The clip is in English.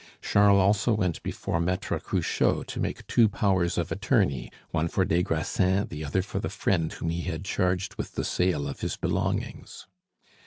Charles also went before Maitre Cruchot to make two powers of attorney, one for des Grassins, the other for the friend whom he had charged with the sale of his belongings.